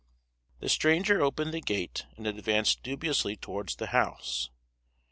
The stranger opened the gate and advanced dubiously towards the house.